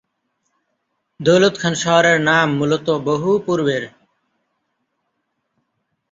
দৌলতখান শহরের নাম মূলত বহুপূর্বের।